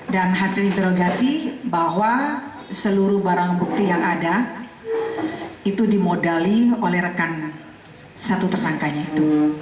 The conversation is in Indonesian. dan hasil interogasi bahwa seluruh barang bukti yang ada itu dimodali oleh rekan satu tersangkanya itu